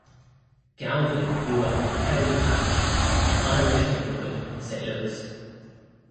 Galvin grew up in Kerry Patch, an Irish neighborhood in Saint Louis.